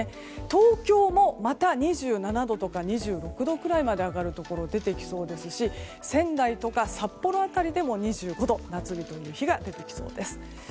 東京もまた２７度とか２６度くらいまで上がるところが出てきそうですし仙台や札幌でも２５度、夏日という日が出てきそうです。